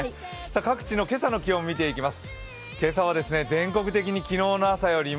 各地の今朝の気温を見ていきます。